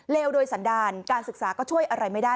โดยสันดาลการศึกษาก็ช่วยอะไรไม่ได้